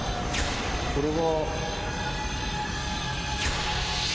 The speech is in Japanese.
これは？